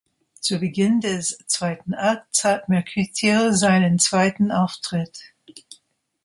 Zu Beginn des zweiten Akts hat Mercutio seinen zweiten Auftritt.